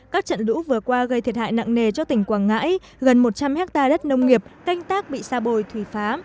các trận lũ vừa qua gây thiệt hại nặng nề cho tỉnh quảng ngãi gần một trăm linh hectare đất nông nghiệp canh tác bị xa bồi thủy phá